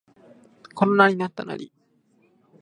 コロナになったナリ